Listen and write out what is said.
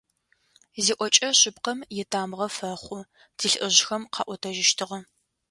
«Зиӏокӏэ шъыпкъэм итамыгъэ фэхъу», - тилӏыжъхэм къаӏотэжьыщтыгъэ.